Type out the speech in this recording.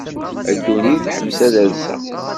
A ddunit ḥbes ad rseɣ.